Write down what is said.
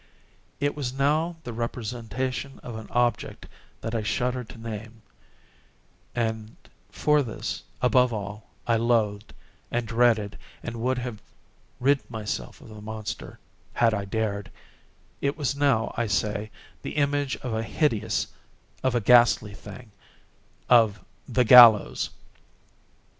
It was now the representation of an object that I shudder to name—and for this, above all, I loathed, and dreaded, and would have rid myself of the monster had I dared—it was now, I say, the image of a hideous—of a ghastly thing—of the GALLOWS!